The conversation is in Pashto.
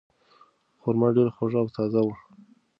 خورما ډیره خوږه او تازه وه.